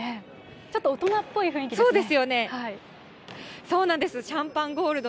ちょっと大人っぽい雰囲気ですよね。